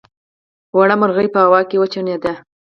وړه مرغۍ په هوا کې وچوڼېده.